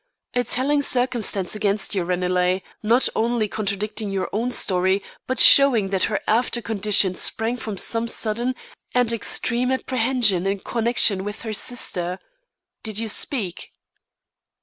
A telling circumstance against you, Ranelagh, not only contradicting your own story but showing that her after condition sprang from some sudden and extreme apprehension in connection with her sister. Did you speak?"